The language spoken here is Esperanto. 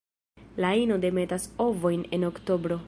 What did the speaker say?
La ino demetas ovojn en oktobro.